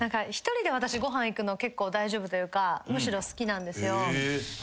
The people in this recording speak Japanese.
一人で私ご飯行くの結構大丈夫というかむしろ好きなんですよ。